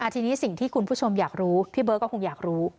ทีนี้สิ่งที่คุณผู้ชมอยากรู้พี่เบิร์ตก็คงอยากรู้